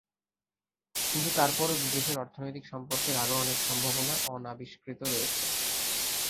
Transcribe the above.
কিন্তু তারপরও দুই দেশের অর্থনৈতিক সম্পর্কের আরও অনেক সম্ভাবনা অনাবিষ্কৃত রয়েছে।